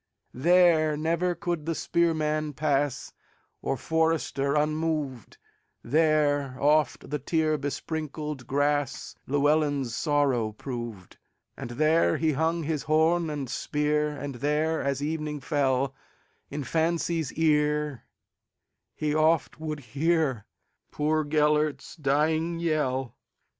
There never could the spearman pass, Or forester, unmoved; There oft the tear besprinkled grassLlewelyn's sorrow proved. And there he hung his horn and spear, And there, as evening fell, In fancy's ear he oft would hearPoor Gêlert's dying yell.